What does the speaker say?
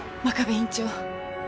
真壁院長